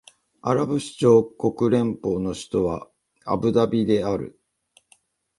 アラブ首長国連邦の首都はアブダビである